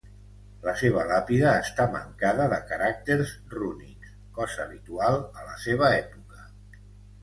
La seva làpida està mancada de caràcters rúnics, cosa habitual a la seva època.